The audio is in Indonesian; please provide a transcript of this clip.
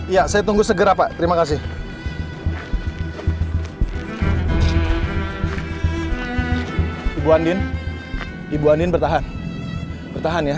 iya saya tunggu segera pak terima kasih ibu andin ibu andin bertahan bertahan ya